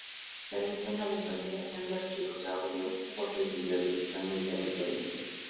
Permiten la visualización de archivos de audio, foto y vídeo directamente en un televisor.